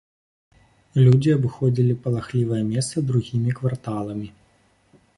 Людзі абыходзілі палахлівае месца другімі кварталамі.